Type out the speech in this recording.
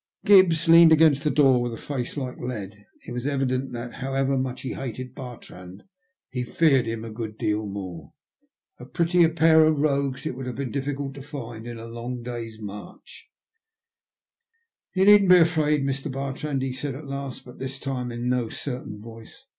Gibbs leaned against the door with a face like lead. It was evident that however much he hated Bartrand he feared him a good deal more. A prettier pair of A QBUESOME TALE. 79 rogues it would have been difficult to find in a long day's march. Tou needn't be afraid, Mr. Bartrand/' he said at last, but this time in no certain voice.